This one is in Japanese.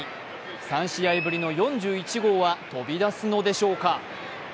３試合ぶりの４１号は飛び出すのでしょうか？